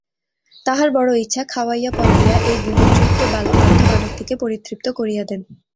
তাঁহার বড়ো ইচ্ছা, খাওয়াইয়া পরাইয়া এই গৃহচ্যুত পান্থ বালকটিকে পরিতৃপ্ত করিয়া দেন।